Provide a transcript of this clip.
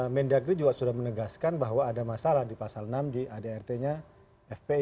mendagri juga sudah menegaskan bahwa ada masalah di pasal enam di adart nya fpi